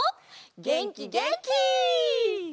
げんきげんき！